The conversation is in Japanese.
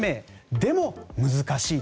でも難しい。